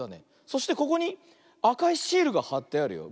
そしてここにあかいシールがはってあるよ。